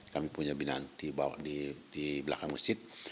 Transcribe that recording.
kami punya binaan dibawa di belakang masjid